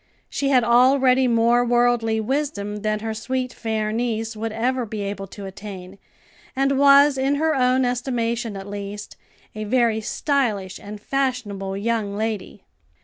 She had already more worldly wisdom than her sweet, fair niece would ever be able to attain, and was, in her own estimation at least, a very stylish and fashionable young lady.